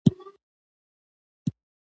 رومیان د بورې نه پاک وي